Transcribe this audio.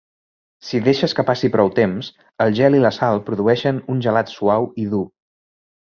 Si deixes que passi prou temps, el gel i la sal produeixen un gelat suau i "dur".